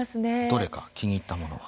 どれか気に入ったのものは。